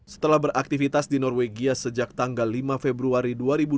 setelah beraktivitas di norwegia sejak tanggal lima februari dua ribu dua puluh